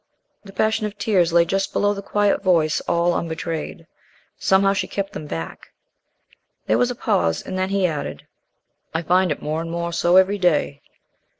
The passion of tears lay just below the quiet voice all unbetrayed. Somehow she kept them back. There was a pause, and then he added: "I find it more and more so every day."